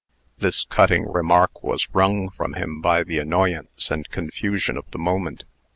This cutting remark was wrung from him by the annoyance and confusion of the moment.